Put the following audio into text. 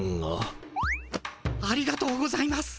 ありがとうございます。